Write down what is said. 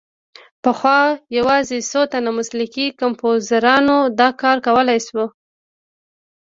پخوا یوازې څو تنو مسلکي کمپوزرانو دا کار کولای شو.